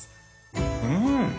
うん！